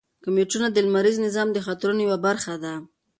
کومیټونه د لمریز نظام د خطرونو یوه برخه ده.